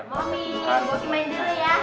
mami boki main dulu ya